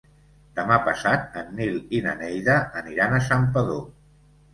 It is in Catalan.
Demà passat en Nil i na Neida aniran a Santpedor.